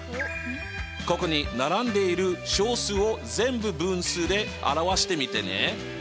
ここに並んでいる小数を全部分数で表してみてね。